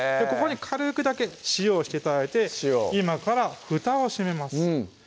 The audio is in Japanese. ここに軽くだけ塩をして頂いて今からふたを閉めます